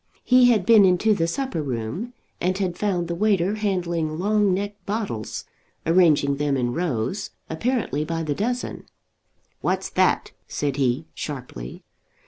He had been into the supper room, and had found the waiter handling long necked bottles, arranging them in rows, apparently by the dozen. "What's that?" said he, sharply.